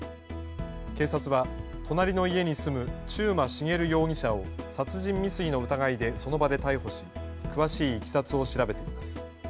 警察は隣の家に住む中馬茂容疑者を殺人未遂の疑いでその場で逮捕し詳しいいきさつを調べています。